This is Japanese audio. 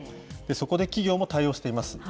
そこで企業も対応しています。